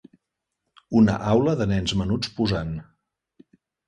Una aula de nens menuts posant.